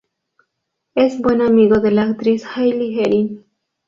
Es buen amigo de la actriz Hayley Erin.